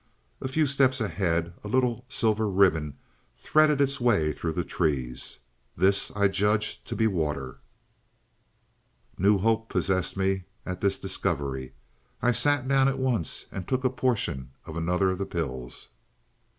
A few steps ahead a little silver ribbon threaded its way through the trees. This I judged to be water. "New hope possessed me at this discovery. I sat down at once and took a portion of another of the pills.